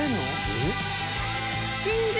えっ？